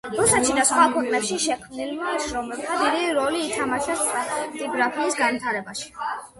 რუსეთში და სხვა ქვეყნებში შექმნილმა შრომებმა დიდი როლი ითამაშა სტრატიგრაფიის განვითარებაში.